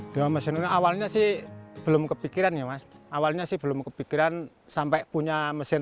dengan mesin ini awalnya sih belum kepikiran ya mas awalnya sih belum kepikiran sampai punya mesin